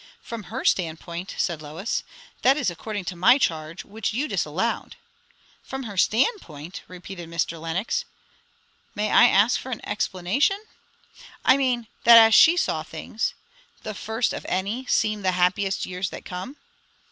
"From her standpoint," said Lois. "That is according to my charge, which you disallowed." "From her standpoint?" repeated Mr. Lenox. "May I ask for an explanation?" "I mean, that as she saw things, 'The first of any Seem the happiest years that come.'"